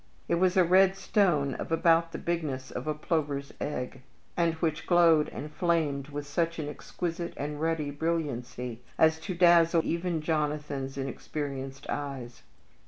It was a red stone of about the bigness of a plover's egg, and which glowed and flamed with such an exquisite and ruddy brilliancy as to dazzle even Jonathan's inexperienced eyes.